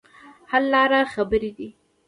حل لاره خبرې دي.